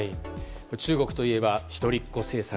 中国といえば一人っ子政策